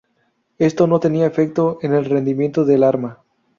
Esto no tenía efecto en el rendimiento del arma.